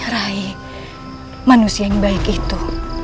raih manusia yang baik itu